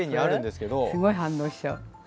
すごい反応しちゃう。